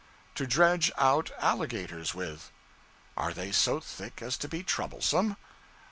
'To dredge out alligators with.' 'Are they so thick as to be troublesome?'